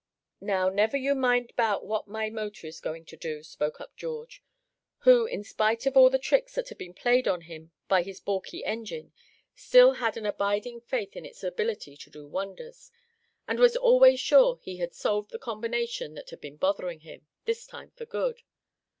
"Now, never you mind about what my motor is going to do," spoke up George, who, in spite of all the tricks that had been played on him by his balky engine, still had an abiding faith in its ability to do wonders, and was always sure he had solved the combination that had been bothering him, this time for good.